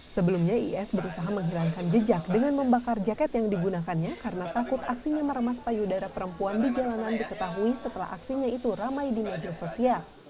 sebelumnya is berusaha menghilangkan jejak dengan membakar jaket yang digunakannya karena takut aksinya meremas payudara perempuan di jalanan diketahui setelah aksinya itu ramai di media sosial